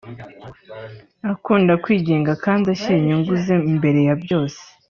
akunda kwigenga kandi ashyira inyungu ze mbere ya byose